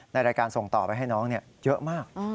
ในรายการส่งต่อไปให้น้องเยอะมาก